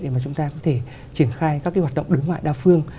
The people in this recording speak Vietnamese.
để mà chúng ta có thể triển khai các cái hoạt động đối ngoại đa phương